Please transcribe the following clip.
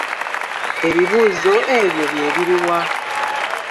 Ebibuuzo ebyo bye biri wa?